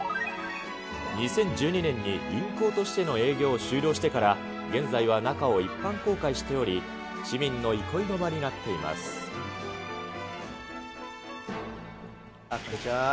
２０１２年に銀行としての営業を終了してから、現在は中を一般公開しており、市民の憩いの場こんにちは。